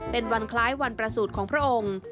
เป็นวันคล้ายวันประสูจน์ของพระองค์